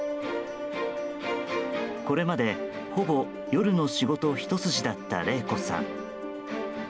これまで、ほぼ夜の仕事ひと筋だったレイコさん。